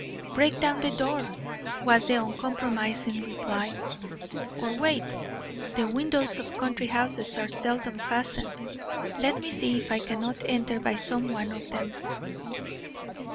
"Break down the door!" was the uncompromising reply. "Or, wait! The windows of country houses are seldom fastened; let me see if I cannot enter by some one of them."